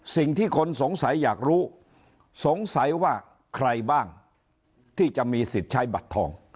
สิ่งที่คนสงสัยอยากรู้สงสัยว่าใครบ้างที่จะมีสิทธิ์ใช้บัตรทอง